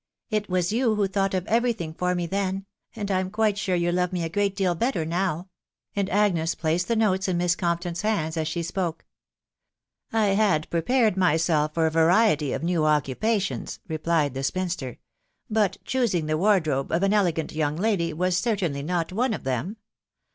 .... It was you who thought of every thing for me then •.• and I'm quite sure you love me a great deal better now ;" and Agnes placed the notes in Miss Compton 'b hands as she ■poke. " I had prepared myself for a variety of new occupations,'' replied the spinster ;" but choosing the wardrobe of an elegant ' young lady was certainly not one of them.